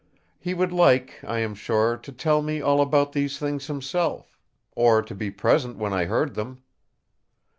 He would like, I am sure, to tell me all about these things himself; or to be present when I heard them."